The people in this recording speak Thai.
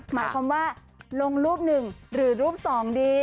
หมายความว่าลงรูป๑หรือรูป๒ดี